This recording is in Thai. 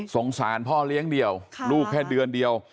สารพ่อเลี้ยงเดี่ยวลูกแค่เดือนเดียว